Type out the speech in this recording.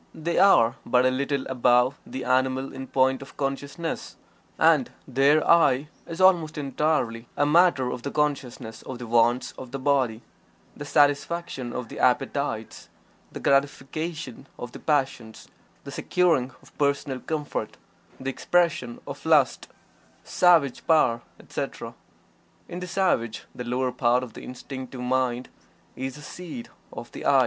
They are but a little above the animal in point of consciousness, and their "I" is almost entirely a matter of the consciousness of the wants of the body; the satisfaction of the appetites; the gratification of the passions; the securing of personal comfort; the expression of lust, savage power, etc. In the savage the lower part of the Instinctive Mind is the seat of the "I."